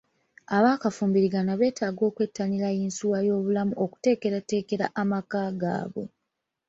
Abaakafumbiriganwa beetaaga okwettanira yinsuwa y'obulamu okuteekateekera amaka gaabwe.